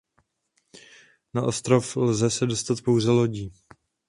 Na ostrov lze se dostat pouze lodí.